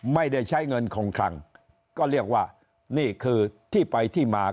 ไม่ได้ใช้เงินคงคลังก็เรียกว่านี่คือที่ไปที่มา